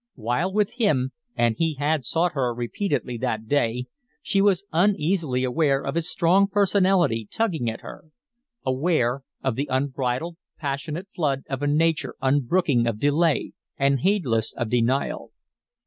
While with him and he had sought her repeatedly that day she was uneasily aware of his strong personality tugging at her; aware of the unbridled passionate flood of a nature unbrooking of delay and heedless of denial.